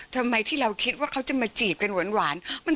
ทำไมที่เราคิดว่าเขาจะมาจีบกันหวาน